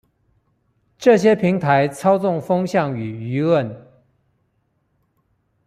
這些平台操縱風向與輿論